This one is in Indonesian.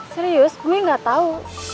serius gue gak tahu